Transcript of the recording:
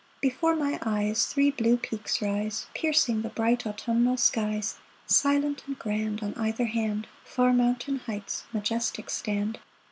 Before my eyes Three blue peaks rise, Piercing the bright autumnal skies ; Silent and grand. On either hand, Far mountain heights majestic stand.